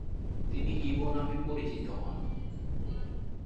তিনি ইভো নামে পরিচিত হন।